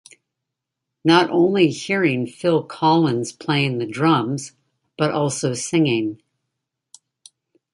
Not only hearing Phil Collins playing the drums, but also singing.